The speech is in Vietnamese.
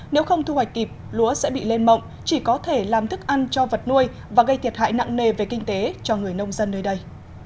nếu không thu hoạch kịp lúa sẽ bị lên mộng chỉ có thể làm thức ăn cho vật nuôi và gây thiệt hại nặng nề về kinh tế cho người nông dân nơi đây